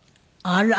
あら。